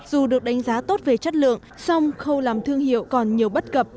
dù được đánh giá tốt về chất lượng song khâu làm thương hiệu còn nhiều bất cập